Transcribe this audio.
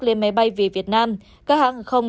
lên máy bay về việt nam các hãng không